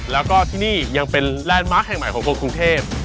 แล้วก็ที่นี่ยังเป็นแลนด์มาร์คแห่งใหม่ของคนกรุงเทพ